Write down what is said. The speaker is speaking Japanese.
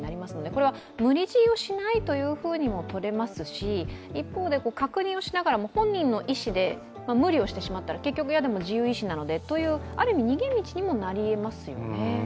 これは無理強いをしないというふうにもとれますし、一方で、確認をしながらも本人の意思で無理をしてしまったら結局、自由意志なので、ということになるのである意味、逃げ道にもなりえますよね？